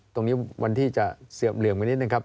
ตรงนี้วันที่จะเสือบเหลื่อมกว่านิดหนึ่งครับ